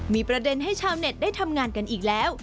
มีประเด็นให้ชาวเน็ตได้ทำงานกันอีกแล้ว